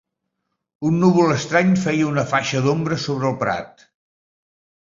Un núvol estrany feia una faixa d'ombra sobre el prat.